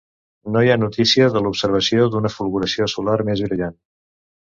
No hi ha notícia de l'observació d'una fulguració solar més brillant.